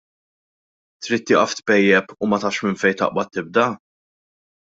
Trid tieqaf tpejjep u ma tafx minn fejn taqbad tibda?